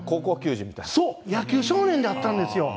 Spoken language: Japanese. そう、野球少年だったんですよ。